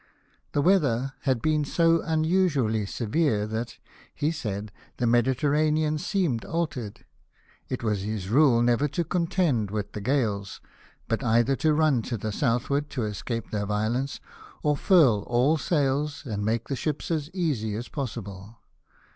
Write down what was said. The weather had been so unusually severe that, he said, the Mediterranean seemed altered. It was his rule never to contend with the gales ; but 282 LIFE OF NELSON. either run to the southward to escape their violence, or furl all the sails, and make the ships ' as easy as possible.